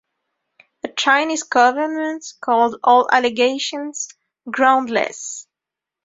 The Chinese government called all allegations "groundless".